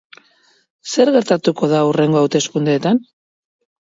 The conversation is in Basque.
Zer gertatuko da hurrengo hauteskundeetan?